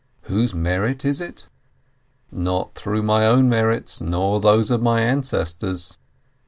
Whose merit it is ? Not through my own merits nor those of my ancestors.